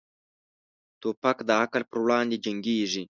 توپک د عقل پر وړاندې جنګيږي.